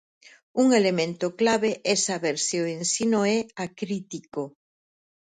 Un elemento clave é saber se o ensino é acrítico.